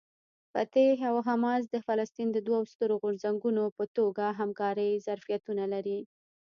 فتح او حماس د فلسطین د دوو سترو غورځنګونو په توګه همکارۍ ظرفیتونه لري.